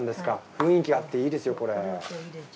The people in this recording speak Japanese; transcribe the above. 雰囲気あっていいですよこれ。